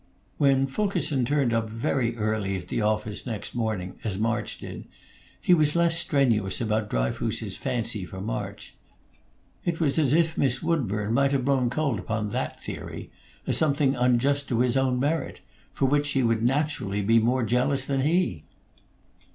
When Fulkerson turned up very early at the office next morning, as March did, he was less strenuous about Dryfoos's fancy for March. It was as if Miss Woodburn might have blown cold upon that theory, as something unjust to his own merit, for which she would naturally be more jealous than he.